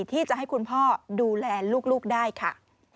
ที่จะให้คุณพ่อดูแลลูกได้ค่ะ